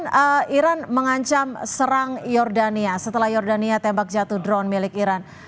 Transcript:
oke mas peter ini kan iran mengancam serang yordania setelah yordania tembak jatuh drone milik iran